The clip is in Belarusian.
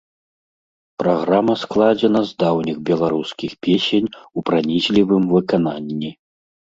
Праграма складзена з даўніх беларускіх песень у пранізлівым выкананні.